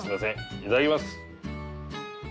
いただきます！